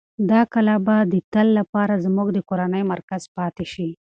دا کلا به د تل لپاره زموږ د کورنۍ مرکز پاتې شي.